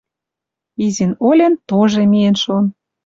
Изин-олен тоже миэн шон.